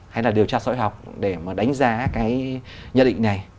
hay là điều tra sở học để mà đánh giá cái nhận định này